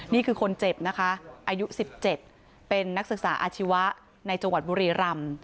นี่คือคนเจ็บนะคะอายุ๑๗เป็นนักศึกษาอาชีวะในจังหวัดบุรีรำ